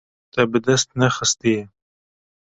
Te bi dest nexistiye.